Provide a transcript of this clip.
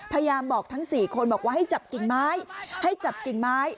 พยายามบอกทั้ง๔คนบอกว่าให้จับกิ่งไม้ให้จับกิ่งไม้